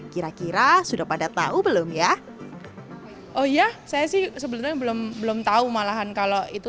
kira kira sudah pada tahu belum ya oh iya saya sih sebelumnya belum belum tahu malahan kalau itu